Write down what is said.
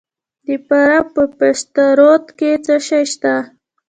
د فراه په پشترود کې څه شی شته؟